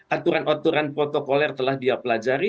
aturan aturan protokoler telah dia pelajari